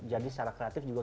jadi secara kreatif juga